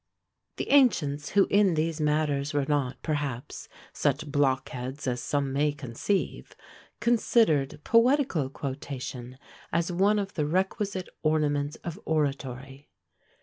The ancients, who in these matters were not, perhaps, such blockheads as some may conceive, considered poetical quotation as one of the requisite ornaments of oratory.